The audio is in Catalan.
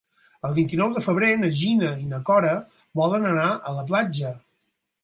El vint-i-nou de febrer na Gina i na Cora volen anar a la platja.